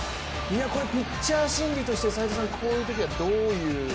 これ、ピッチャー心理としてこういうときは、どういう？